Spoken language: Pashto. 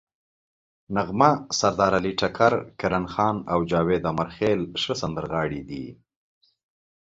نغمه، سردارعلي ټکر، کرن خان او جاوید امیرخیل ښه سندرغاړي دي.